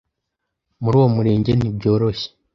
muri uwo murenge ntibyoroshye